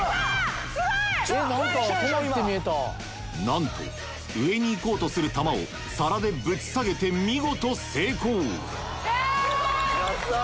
なんと上に行こうとする玉を皿でブチサゲて見事成功うわ！